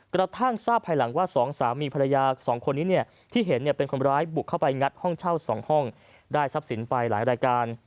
กระทั่งทราบภายหลังว่าสองสามีภรรยาสองคนนี้เนี่ยที่เห็นเป็นคนร้ายบุกเข้าไปงัดห้องเช่า๒ห้องได้ทรัพย์สินไปหลายรายการ